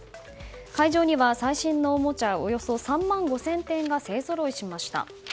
会場には最新のおもちゃおよそ３万５０００点が勢ぞろいしました。